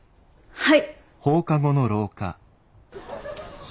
はい。